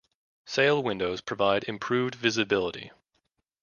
Sail windows provide improved visibility.